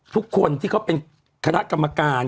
ทุกคนที่เขาเป็นคณะกรรมการ